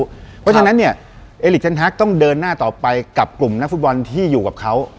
เพราะฉะนั้นเนี่ยเอลิกเทนฮักต้องเดินหน้าต่อไปกับกลุ่มนักฟุตบอลที่อยู่กับเขา